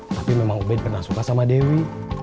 tapi memang ubed pernah suka sama dewi